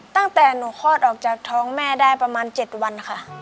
ตั้งแต่หนูคลอดออกจากท้องแม่ได้ประมาณ๗วันค่ะ